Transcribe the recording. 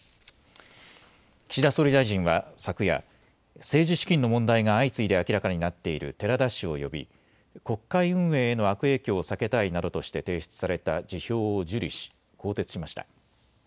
岸田総理大臣は昨夜、政治資金の問題が相次いで明らかになっている寺田氏を呼び国会運営への悪影響を避けたいなどとして提出された辞表を受理し更迭しました。